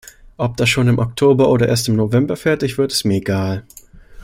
Ob das schon im Oktober oder erst im November fertig wird ist mir egal.